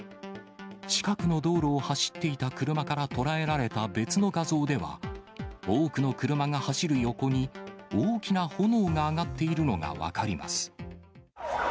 近くの道路を走っていた車から捉えられた別の画像では、多くの車が走る横に、大きな炎が上がっているのが分かります。